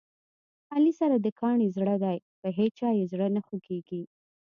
علي سره د کاڼي زړه دی، په هیچا یې زړه نه خوګېږي.